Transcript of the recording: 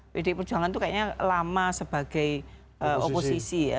pdi perjuangan itu kayaknya lama sebagai oposisi ya